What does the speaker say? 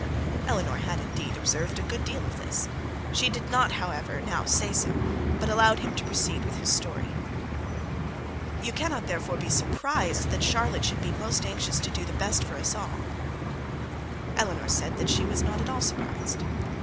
Eleanor had indeed observed a good deal of this; she did not however now say so, but allowed him to proceed with his story. 'You cannot therefore be surprised that Charlotte should be most anxious to do the best for us all. Eleanor said that she was not at all surprised.